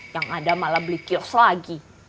yang ada malah beli kios lagi